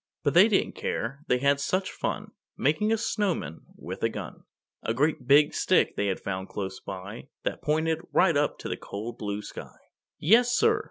But they didn't care, they had such fun Making a snowman with a gun, A great big stick they had found close by, That pointed right up to the cold blue sky. Yes, sir!